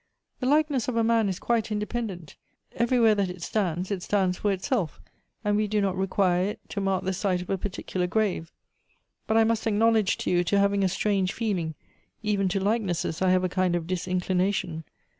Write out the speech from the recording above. The likeness of a man is quite independent; everywhere that it stands, it stands for itself, and we do not require it to mark the site of a particular grave. But I must acknowledge to you to having a strange feeling ; even to likenesses I have a kind of disinclination.